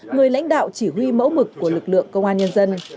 người lãnh đạo chỉ huy mẫu mực của lực lượng công an nhân dân